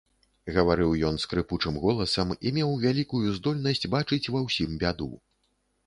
Гаварыў ён скрыпучым голасам і меў вялікую здольнасць бачыць ва ўсім бяду.